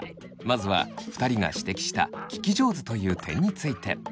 まずは２人が指摘した聞き上手という点について。